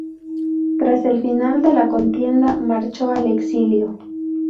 Tras el final de la contienda marchó al exilio.